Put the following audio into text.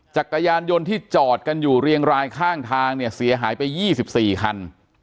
จักรยานยนต์ที่จอดกันอยู่เรียงรายข้างทางเนี่ยเสียหายไป๒๔คัน